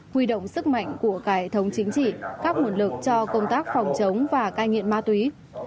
huy động sức mạnh của cải thống chính trị các nguồn lực cho công tác phòng chống và cai nghiện ma túy